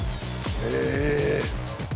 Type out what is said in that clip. ええ！